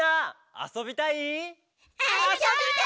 「あそびたい！」